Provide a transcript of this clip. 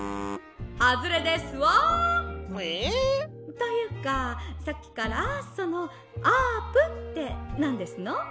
「というかさっきからそのあーぷんってなんですの？」。